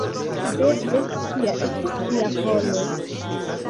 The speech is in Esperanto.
Videble, tia estis Dia volo.